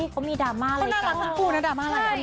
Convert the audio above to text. เขามีดามาอะไรกันหรือเปล่าใช่